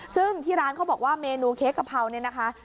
ซึ่งที่ร้านเขาบอกว่าเมนูเค้กกะเพราเนี่ยนะคะ